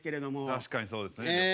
確かにそうですね旅行は。